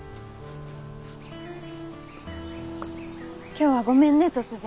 今日はごめんね突然。